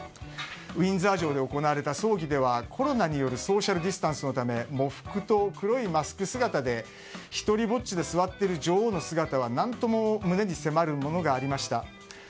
ウィンザー城で行われた葬儀ではコロナによるソーシャルディスタンスのため喪服と黒いマスク姿で一人ぼっちで座っている女王の姿は何とも胸に迫るものがありました。